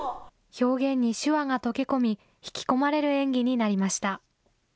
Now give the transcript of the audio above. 表現に手話が溶け込み、引き込まれる演技になりました。